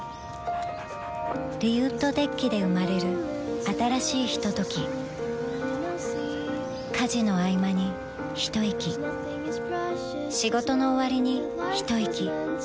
リウッドデッキで生まれる新しいひととき家事のあいまにひといき仕事のおわりにひといき